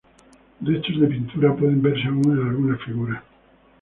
Restos de pintura pueden verse aún en algunas figuras.